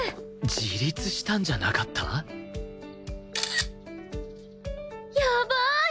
自立したんじゃなかった？やばーい！